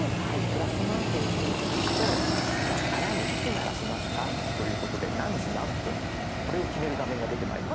プラスマークを押して頂くとじゃあアラームいつ鳴らしますかということで何時何分これを決める画面が出てまいります。